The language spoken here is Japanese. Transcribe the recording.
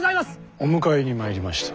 お迎えに参りました。